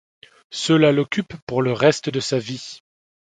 Cela l'occupe pour le reste de sa vie.